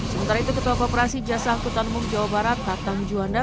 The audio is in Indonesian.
sementara itu ketua koperasi jasa angkutan umum jawa barat tatang juanda